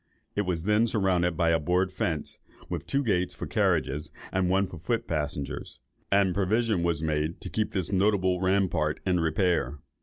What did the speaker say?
It was then surrounded with a board fence, with two gates for carriages, and one for foot passengers; and "provision was made to keep this notable rampart in repair."